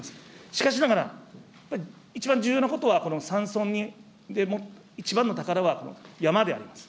しかしながら、やっぱり一番重要なことは、山村に一番の宝は山であります。